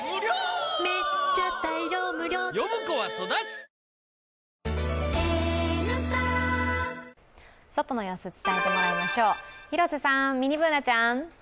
ＷＩＬＫＩＮＳＯＮ外の様子伝えてもらいましょう広瀬さん、ミニＢｏｏｎａちゃん。